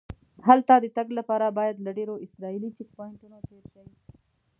هلته د تګ لپاره باید له ډېرو اسرایلي چیک پواینټونو تېر شې.